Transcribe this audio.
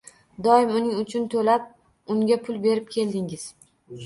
Doim uning uchun to`lab, unga pul berib keldingiz